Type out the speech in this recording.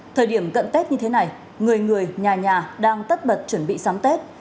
thời điểm cận tết như thế này người người nhà nhà đang tất bật chuẩn bị sắm tết